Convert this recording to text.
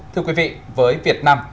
thưa quý vị với việt nam